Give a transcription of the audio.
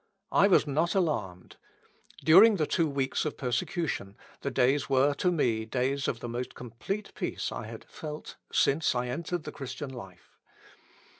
I was not alarmed. During the two weeks of persecution, the days were to me days of the most complete peace I had felt since I entered the Christian life.